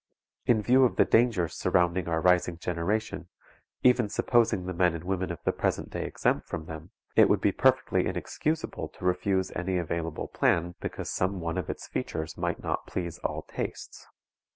In view of the dangers surrounding our rising generation, even supposing the men and women of the present day exempt from them, it would be perfectly inexcusable to refuse any available plan because some one of its features might not please all tastes.